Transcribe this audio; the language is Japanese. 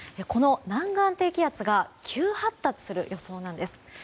この南岸低気圧が急発達する予想なんです。